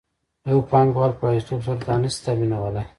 یو پانګوال په یوازیتوب سره دا نشي تامینولی